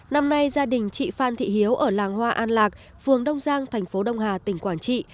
năm nay gia đình chị phan thị hiếu ở làng hoa an lạc phường đông giang thành phố đông hà tỉnh quảng trị